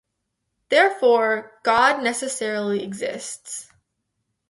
Therefore God necessarily exists.